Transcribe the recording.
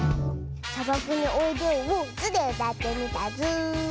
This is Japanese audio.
「さばくにおいでよ」を「ズ」でうたってみたズー。